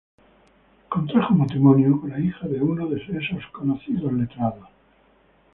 Contrajo matrimonio con la hija de uno de esos conocidos letrados.